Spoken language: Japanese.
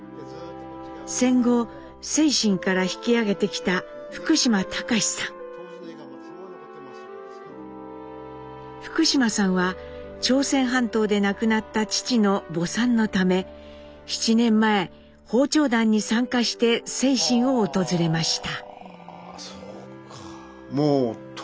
戦後清津から引き揚げてきた福島さんは朝鮮半島で亡くなった父の墓参のため７年前訪朝団に参加して清津を訪れました。